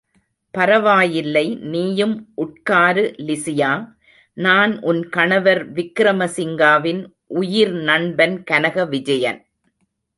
பரவாயில்லை நீயும் உட்காரு லிசியா, நான் உன் கணவர் விக்ரம சிங்காவின் உயிர் நண்பன் கனக விஜயன்.